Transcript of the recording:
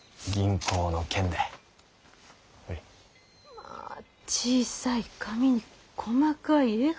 まぁ小さい紙に細かい絵が。